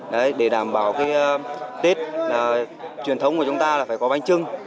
đấy để đảm bảo cái tết truyền thống của chúng ta là phải có bánh trưng